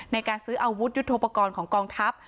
ในการซื้ออาวุธยุทธโปรกรณ์ของกองทัพ